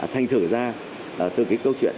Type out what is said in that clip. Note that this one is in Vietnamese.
thành thử ra từ cái câu chuyện